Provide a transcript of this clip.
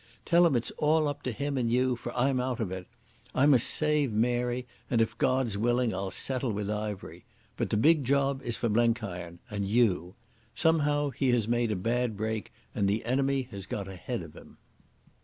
Tell him it's all up to him and you, for I'm out of it. I must save Mary, and if God's willing I'll settle with Ivery. But the big job is for Blenkiron—and you. Somehow he has made a bad break, and the enemy has got ahead of him.